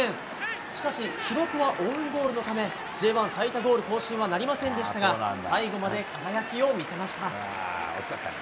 しかし記録はオウンゴールのためＪ１最多ゴール更新はなりませんでしたが最後まで輝きを見せました。